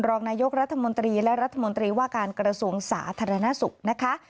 รองนายกรัฐมนตรีและรัฐมนตรีว่าการกระทรวงสาธารณสุขนะคะ